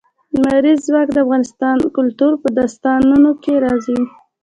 لمریز ځواک د افغان کلتور په داستانونو کې راځي.